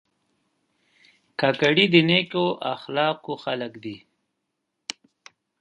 کاکړي د نیکو اخلاقو خلک دي.